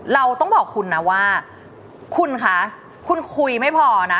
เราต้องบอกคุณนะว่าคุณคะคุณคุยไม่พอนะ